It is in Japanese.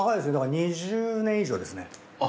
２０年以上ですね。